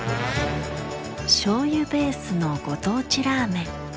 醤油ベースのご当地ラーメン。